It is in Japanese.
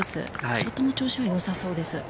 ショットの調子は良さそうです。